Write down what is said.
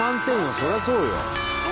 そりゃそうよ。